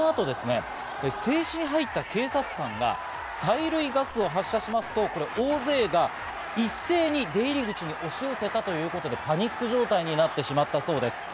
ただこの後、制止に入った警察官が催涙ガスを発射しますと、大勢が一斉に出入口に押し寄せたということでパニック状態になってしまったそうです。